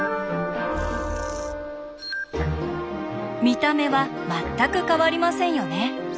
見た目は全く変わりませんよね。